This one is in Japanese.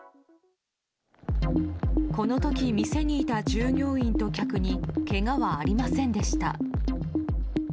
この時、店にいた従業員と客にけがはありませんでした。